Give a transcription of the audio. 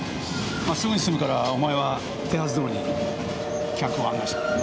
まあすぐに済むからお前は手はずどおりに客を案内してくれ。